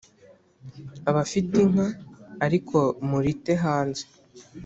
Abafite inka ariko murite hanze: